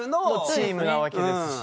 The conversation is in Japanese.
チームなわけですし。